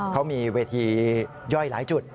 เขามีเวทีย่อยหลายจุด